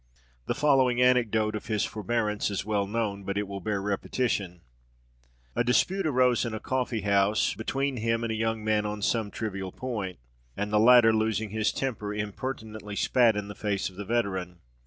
The following anecdote of his forbearance is well known, but it will bear repetition: A dispute arose in a coffee house between him and a young man on some trivial point, and the latter, losing his temper, impertinently spat in the face of the veteran.